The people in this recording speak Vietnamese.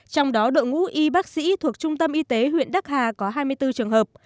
trong đó đội ngũ y bác sĩ thuộc trung tâm y tế huyện đắc hà có hai mươi bốn trường hợp